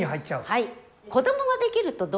はい。